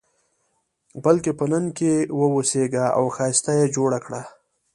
بلکې په نن کې واوسېږه او ښایسته یې جوړ کړه.